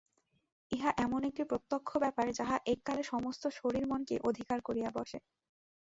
ইহা এমন একটা প্রত্যক্ষ ব্যাপার যাহা এক কালে সমস্ত শরীর মনকে অধিকার করিয়া বসে।